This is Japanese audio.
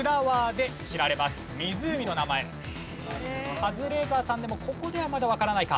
カズレーザーさんでもここではまだわからないか。